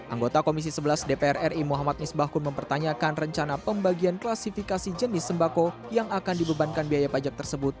anggota komisi sebelas dpr ri muhammad misbahkun mempertanyakan rencana pembagian klasifikasi jenis sembako yang akan dibebankan biaya pajak tersebut